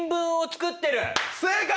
正解！